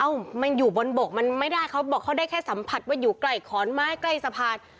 มันอยู่บนบกมันไม่ได้เขาบอกเขาได้แค่สัมผัสว่าอยู่ใกล้ขอนไม้ใกล้สะพาน